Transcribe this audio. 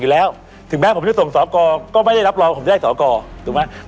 อยู่แล้วถึงแม้ผมจะส่งสอกรก็ไม่ได้รับรองผมได้สอกรถูกไหม